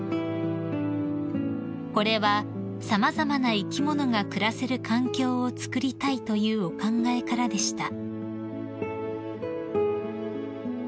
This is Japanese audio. ［これは様々な生き物が暮らせる環境をつくりたいというお考えからでした］